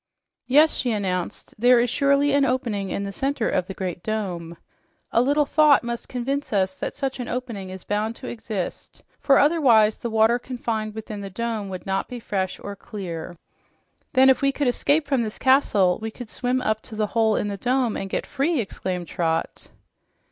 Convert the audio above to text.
"Yes," she announced, "there is surely an opening in the center of the great dome. A little thought must convince us that such an opening is bound to exist, for otherwise the water confined within the dome would not be fresh or clear." "Then if we could escape from this castle, we could swim up to the hole in the dome and get free!" exclaimed Trot.